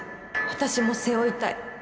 私も背負いたい。